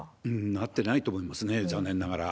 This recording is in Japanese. なってないと思いますね、残念ながら。